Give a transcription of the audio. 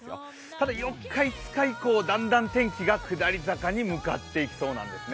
ただ、４日、５日以降、だんだん天気が下り坂に向かっていくそうですね。